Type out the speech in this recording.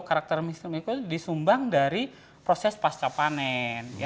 karakteristik mikro itu disumbang dari proses pasca panen